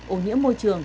ổn nhiễm môi trường